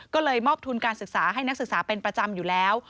ก็เลยมอบทุนการศึกษาให้นักศึกษาเป็นประจำอยู่แล้ว